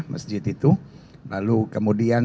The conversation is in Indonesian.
masjid itu lalu kemudian